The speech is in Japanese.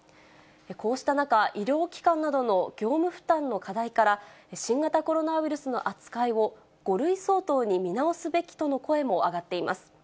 こうした中、医療機関などの業務負担の課題から、新型コロナウイルスの扱いを５類相当に見直すべきとの声も上がっています。